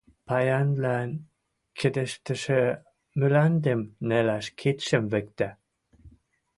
паянвлӓн кидӹштӹшӹ мӱлӓндӹм нӓлӓш кидшӹм виктӓ...